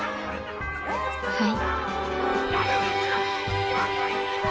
はい。